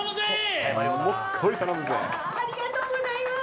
ありがとうございます。